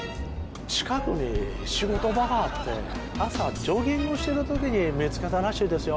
近くに仕事場があって朝ジョギングしてる時に見つけたらしいですよ